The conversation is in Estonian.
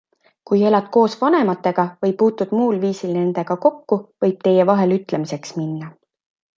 Kui elad koos vanematega või puutud muul viisil nendega kokku, võib teie vahel ütlemiseks minna.